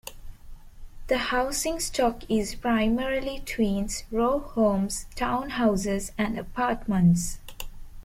The housing stock is primarily twins, row homes, townhouses, and apartments.